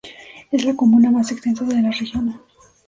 Es la comuna más extensa de la región.